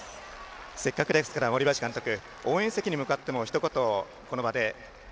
せっかくですから森林監督応援席に向かってもひと言、この場で。